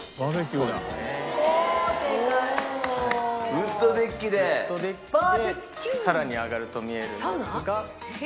ウッドデッキでさらに上がると見えるんですが。